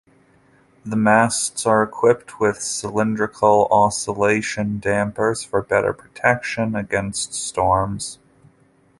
The masts are equipped with cylindrical oscillation dampers for better protection against storms.